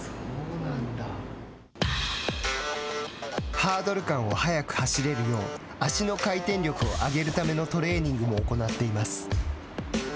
ハードル間を速く走れるよう足の回転力を上げるためのトレーニングも行っています。